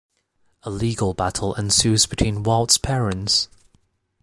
A legal battle ensues between Walt's parents.